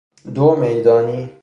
دو و میدانی